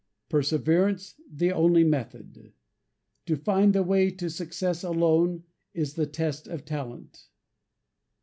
Perseverance the only method. To find the way to success alone, is the test of talent.